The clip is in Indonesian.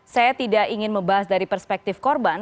saya tidak ingin membahas dari perspektif korban